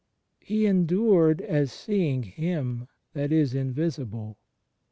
He "endured as seeing Him that is invisible."